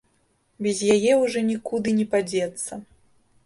Без яе ўжо нікуды не падзецца.